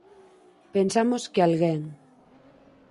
Pensamos que alguén